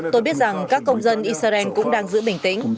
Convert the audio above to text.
tôi biết rằng các công dân israel cũng đang giữ bình tĩnh